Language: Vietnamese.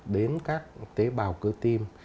đến các tế bào cơ tim